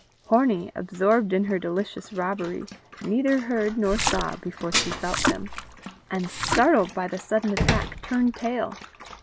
Hornie, absorbed in her delicious robbery, neither heard nor saw before she felt him, and, startled by the sudden attack, turned tail.